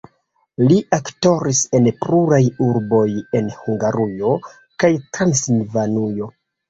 Li aktoris en pluraj urboj en Hungarujo kaj Transilvanujo.